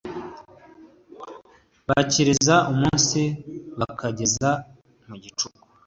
bakiriza umunsi bakageza mu gicuku